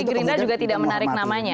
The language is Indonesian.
tapi gerinda juga tidak menarik namanya